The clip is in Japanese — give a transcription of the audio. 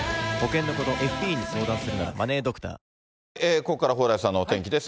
ここから蓬莱さんのお天気です。